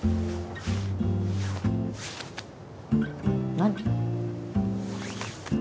何？